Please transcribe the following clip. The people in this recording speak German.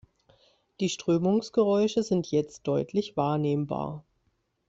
Die Strömungsgeräusche sind jetzt deutlich wahrnehmbar.